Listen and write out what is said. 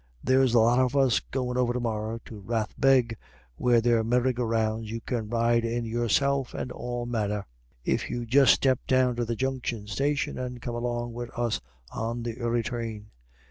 There's a lot of us goin' over to morra to Rathbeg, where they've merry go rounds you can ride in yourself, and all manner, if you'd just step down to the Junction station and come along wid us on the early train."